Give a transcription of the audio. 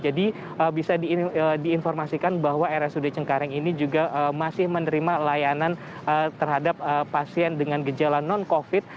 jadi bisa diinformasikan bahwa rsud cengkareng ini juga masih menerima layanan terhadap pasien dengan gejala non covid